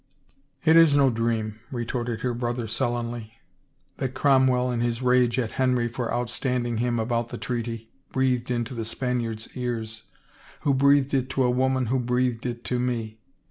It is no dream," retorted her brother sullenly, " that Cromwell in his rage at Henry for outstanding him about the treaty, breathed into the Spaniard's ears — who breathed it to a woman who breathed it to me